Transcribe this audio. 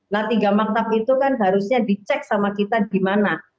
nah tiga maktab itu kan harusnya dicek sama kita di mana